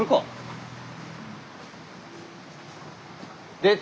出た！